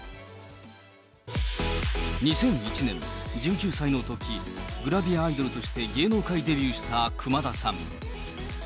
２００１年、１９歳のとき、グラビアアイドルとして芸能界デビューした熊田さん。